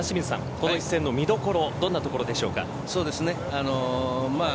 この一戦の見どころどんなところでしょうか。